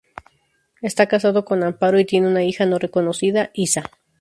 Está casado con Amparo y tiene una hija no reconocida: Isa.